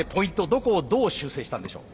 どこをどう修正したんでしょう？